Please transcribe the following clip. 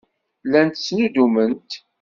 Llant ttnuddument.